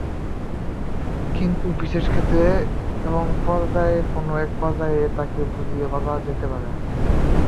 কিন্তু বিশেষ ক্ষেত্রে এবং কোনো একটা পর্যায়ে তাকে বুঝিয়ে বলা যেতে পারে।